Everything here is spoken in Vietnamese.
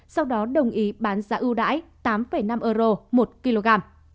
sau đó đồng ý bán giá ưu đãi tám năm euro một kg